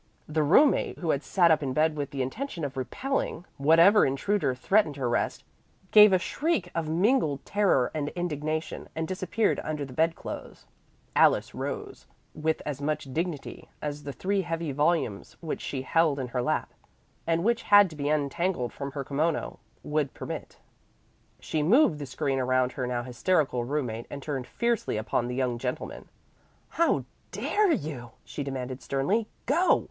The roommate, who had sat up in bed with the intention of repelling whatever intruder threatened her rest, gave a shriek of mingled terror and indignation and disappeared under the bedclothes. Alice rose, with as much dignity as the three heavy volumes which she held in her lap, and which had to be untangled from her kimono, would permit. She moved the screen around her now hysterical roommate and turned fiercely upon the young gentleman. "How dare you!" she demanded sternly. "Go!"